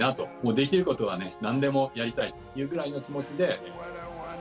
できることはね、なんでもやりたいというぐらいの気持ちで。